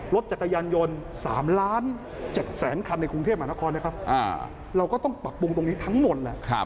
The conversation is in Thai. รถจักรยานยนต์๓ล้าน๗แสนคันในคุงเทียบหมานครเราก็ต้องปรับปรุงตรงนี้ทั้งหมด